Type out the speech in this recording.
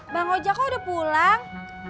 bang ojak kok udah pulang